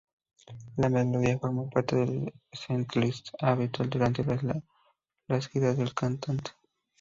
La melodía forma parte del "setlist" habitual durante las giras del cantante.